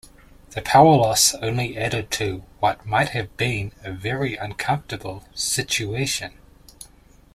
The power loss only added to what might have been a very uncomfortable situation.